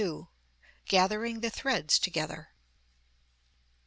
GATHERING THE THREADS TOGETHER.